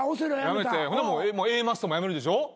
Ａマッソも辞めるでしょ？